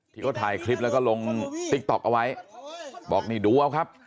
ที่เขาถ่ายคลิปแล้วก็ลงติ๊กต๊อกเอาไว้บอกนี่ดูเอาครับ